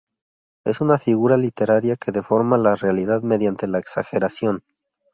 Es una figura literaria que deforma la realidad mediante la exageración.